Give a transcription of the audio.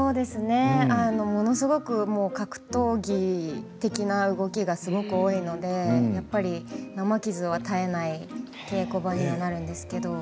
ものすごく格闘技的な動きが多いので生傷が絶えない稽古場にはなるんですけれど。